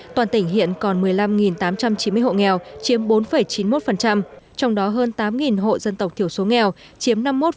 toàn tỉnh hiện còn một mươi năm tám trăm chín mươi hộ nghèo chiếm bốn chín mươi một trong đó hơn tám hộ dân tộc thiểu số nghèo chiếm